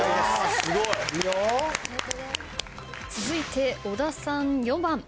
続いて小田さん４番。